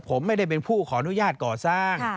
ตรงไหนเป็นพื้นที่ส่วนกลาง